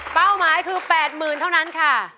หมายคือ๘๐๐๐เท่านั้นค่ะ